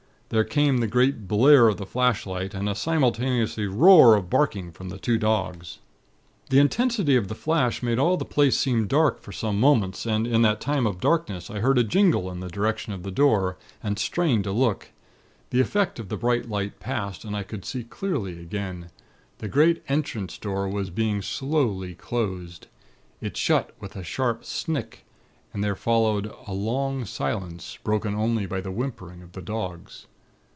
There came the great blare of the flashlight, and a simultaneous roar of barking from the two dogs. "The intensity of the flash made all the place seem dark for some moments, and in that time of darkness, I heard a jingle in the direction of the door, and strained to look. The effect of the bright light passed, and I could see clearly again. The great entrance door was being slowly closed. It shut with a sharp snick, and there followed a long silence, broken only by the whimpering of the dogs.